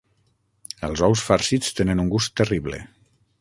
Els ous farcits tenen un gust terrible.